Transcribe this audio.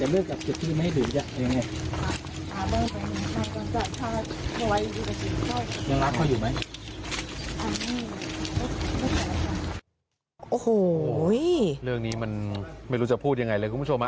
โอ้โหเรื่องนี้มันไม่รู้จะพูดยังไงเลยคุณผู้ชม